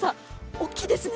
大きいですね。